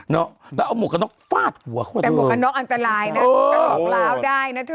นอกแล้วเอาหมวกกับนอกฟาดหัวโคตรเลยแต่หมวกกับนอกอันตรายนะหมวกกับหลอกล้าวได้นะเธอ